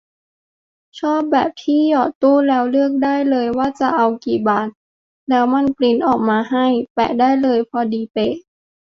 ชอบแบบที่หยอดตู้แล้วเลือกได้เลยว่าจะเอากี่บาท แล้วมันปรินท์ออกมาให้ แปะได้เลย พอดีเป๊ะ